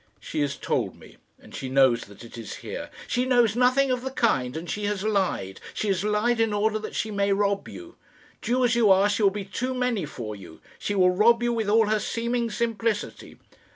"She has told me, and she knows that it is here." "She knows nothing of the kind, and she has lied. She has lied in order that she may rob you. Jew as you are, she will be too many for you. She will rob you, with all her seeming simplicity."